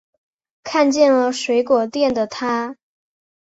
看见了水果店的她